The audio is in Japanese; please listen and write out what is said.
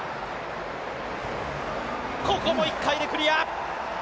ここも１回でクリア！